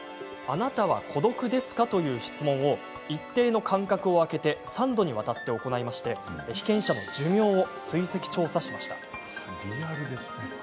「あなたは孤独ですか？」という質問を一定の間隔を空けて３度にわたって行い被験者の寿命を追跡調査しました。